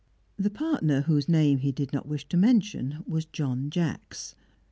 The partner whose name he did not wish to mention was John Jacks.